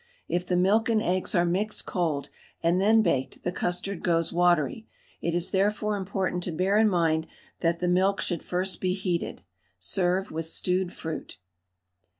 If the milk and eggs are mixed cold and then baked the custard goes watery; it is therefore important to bear in mind that the milk should first be heated. Serve with stewed fruit.